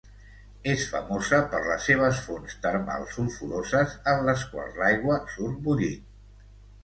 És famosa per les seves fonts termals sulfuroses en les quals l'aigua surt bullint.